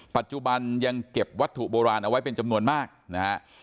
ปัจจุบันยังเก็บวัตถุโบราณเอาไว้เป็นจำนวนมากนะฮะ